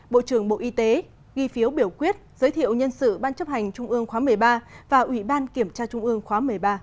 bộ trưởng bộ y tế ghi phiếu biểu quyết giới thiệu nhân sự ban chấp hành trung ương khóa một mươi ba và ủy ban kiểm tra trung ương khóa một mươi ba